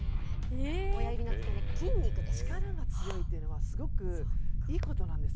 親指の付け根、筋肉です。